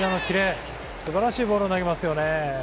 すばらしいボールを投げますよね。